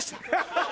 ハハハ！